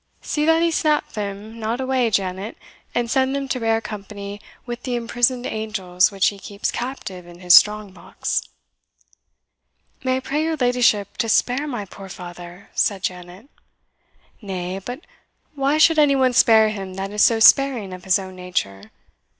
See that he snap them not away, Janet, and send them to bear company with the imprisoned angels which he keeps captive in his strong box." "May I pray your ladyship to spare my poor father?" said Janet. "Nay, but why should any one spare him that is so sparing of his own nature?"